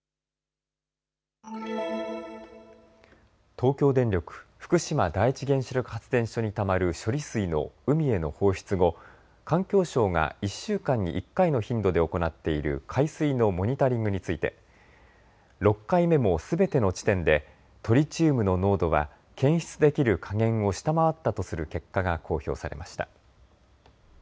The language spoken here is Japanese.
東京電力福島第一原子力発電所にたまる処理水の海への放出後、環境省が１週間に１回の頻度で行っている海水のモニタリングについて６回目もすべての地点でトリチウムの濃度は検出できる下限を下回ったとする結果が公表されました。